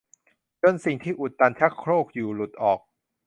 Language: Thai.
จนสิ่งที่อุดตันชักโครกอยู่หลุดออก